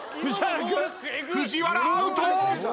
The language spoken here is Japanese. ［藤原アウト！］